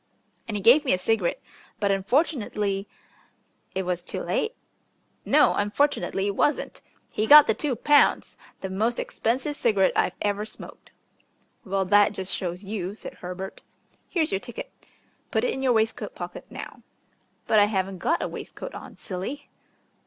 And he gave me a cigarette; but unfortunately " "It was too late?" "No. Unfortunately it wasn't. He got the two pounds. The most expensive cigarette I've ever smoked." "Well, that just shows you," said Herbert. "Here's your ticket. Put it in your waistcoat pocket now." "But I haven't got a waistcoat on, silly."